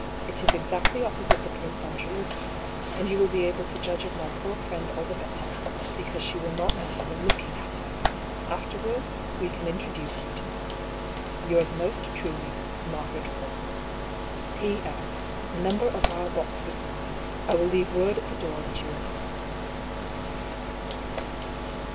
It is exactly oppo» 8it€ the Prince Andriocchi's, and you will be able to judge of my poor friend all the better, because she will not know you are look ing at her. Afterwards, we can introduce you to her. " Yours most truly, " Margaret Forwood. " P. S. — The number of our box is 9. I will leave word at the door that you are coming."